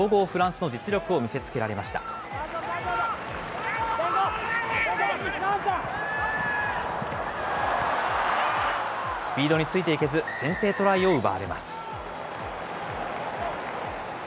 スピードについていけず、先制トライを奪われます。